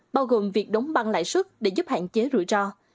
bao gồm việc đóng băng lại sức để giúp hạn chế rủi ro